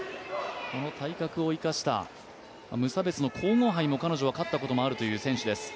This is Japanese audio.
体格を生かした無差別の皇后盃も、彼女は勝ったこともあるという選手。